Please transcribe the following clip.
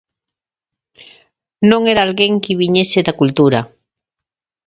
Non era alguén que viñese da cultura.